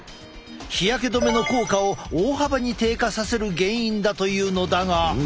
日焼け止めの効果を大幅に低下させる原因だというのだが。